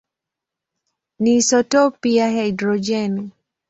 ni isotopi ya hidrojeni.